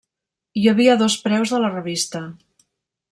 Hi havia dos preus de la revista.